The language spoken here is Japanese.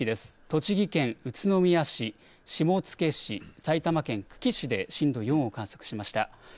栃木県宇都宮市、下野市、埼玉県久喜市で震度４を観測しました。